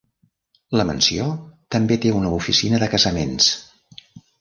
La mansió també té una oficina de casaments.